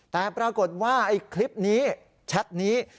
แต่ปรากฏว่าไอ้คลิปนี้แชทนี้